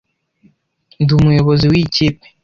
Ndi umuyobozi wiyi kipe.